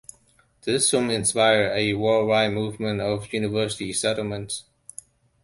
This soon inspired a worldwide movement of university settlements.